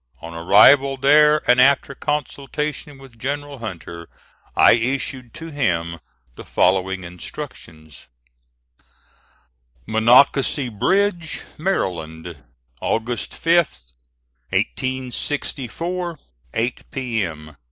On arrival there, and after consultation with General Hunter, I issued to him the following instructions: "MONOCACY BRIDGE, MARYLAND, August 5, 1864 8 P.M.